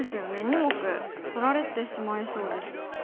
２目取られてしまいそうです。